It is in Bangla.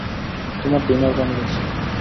তোমার ডিনার বানিয়েছি।